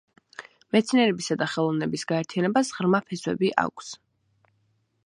მეცნიერებისა და ხელოვნების გაერთიანებას ღრმა ფესვები აქვს.